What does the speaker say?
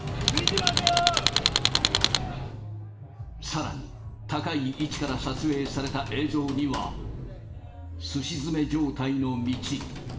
さらに、高い位置から撮影された映像には、すし詰め状態の道。